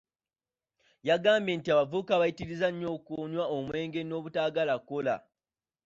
Yagambye nti abavubuka bayitirizza okunywa omwenge n’obutaaga kukola.